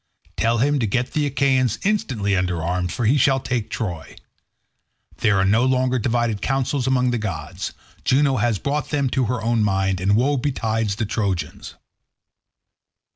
Tell him to get the Achaeans instantly under arms, for he shall take Troy. There are no longer divided counsels among the gods; Juno has brought them to her own mind, and woe betides the Trojans."